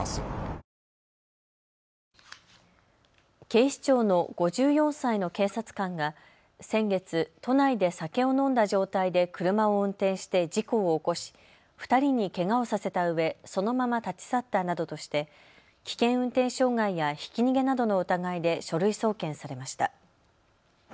警視庁の５４歳の警察官が先月、都内で酒を飲んだ状態で車を運転して事故を起こし２人にけがをさせたうえ、そのまま立ち去ったなどとして危険運転傷害やひき逃げなどの疑いで書類送検されました。